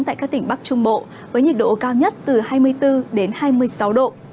tại các tỉnh bắc trung bộ với nhiệt độ cao nhất từ hai mươi bốn đến hai mươi sáu độ